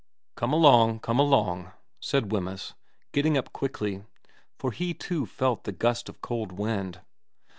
' Come along, come along,' said Wemyss, getting up quickly, for he too felt the gust of cold wind.